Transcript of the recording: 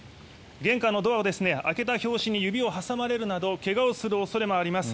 玄関のドアを開けた際など指を挟まれるなど怪我をする恐れもあります。